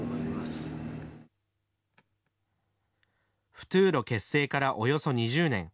フトゥーロ結成からおよそ２０年。